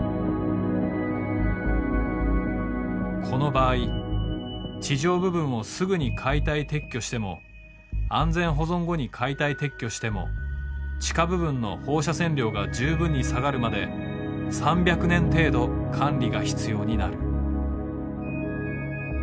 この場合地上部分をすぐに解体撤去しても安全保存後に解体撤去しても地下部分の放射線量が十分に下がるまで３００年程度管理が必要になる。